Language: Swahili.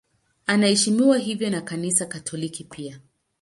Anaheshimiwa hivyo na Kanisa Katoliki pia.